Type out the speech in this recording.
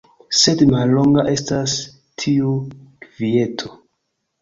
Sed mallonga estas tiu kvieto.